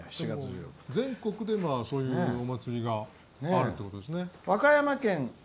全国でそういうお祭りがあるってことですね。